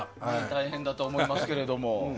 大変だと思いますけど。